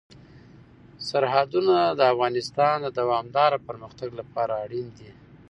سرحدونه د افغانستان د دوامداره پرمختګ لپاره اړین دي.